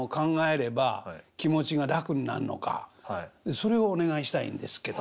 それをお願いしたいんですけど。